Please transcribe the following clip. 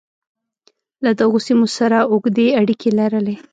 له دغو سیمو سره اوږدې اړیکې لرلې.